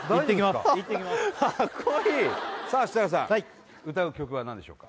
かっこいいさあ設楽さん歌う曲は何でしょうか？